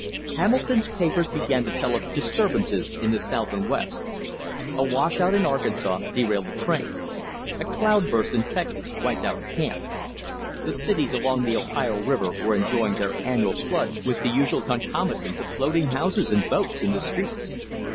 Hamilton's papers began to tell of disturbances in the South and West. A washout in Arkansas derailed a train; a cloud burst in Texas wiped out a camp; the cities along the Ohio River were enjoying their annual flood with the usual concomitants of floating houses and boats in the streets.